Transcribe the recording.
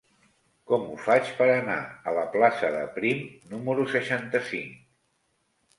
Com ho faig per anar a la plaça de Prim número seixanta-cinc?